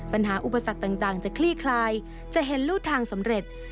อุปสรรคต่างจะคลี่คลายจะเห็นรูทางสำเร็จ